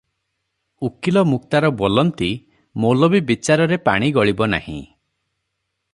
ଉକୀଲ, ମୁକ୍ତାର ବୋଲନ୍ତି ମୌଲବୀ ବିଚାରରେ ପାଣି ଗଳିବ ନାହିଁ ।